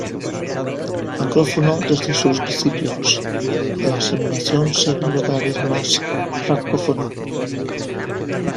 Anglófono desde sus principios, la simulación se vuelve cada vez más francófona.